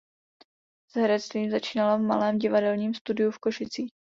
S herectvím začínala v Malém divadelním studiu v Košicích.